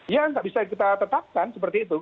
ya nggak bisa kita tetapkan seperti itu